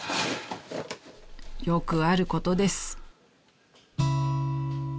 ［よくあることです］